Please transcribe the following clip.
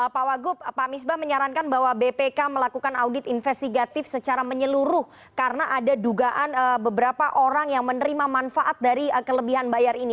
pak wagup pak misbah menyarankan bahwa bpk melakukan audit investigatif secara menyeluruh karena ada dugaan beberapa orang yang menerima manfaat dari kelebihan bayar ini